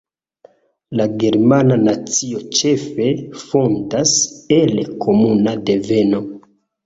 La germana nacio ĉefe fontas el komuna deveno.